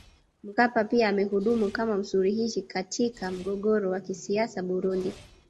Mkapa pia amehudumu kama msuluhishi katika mgogoro wa kisiasa Burundi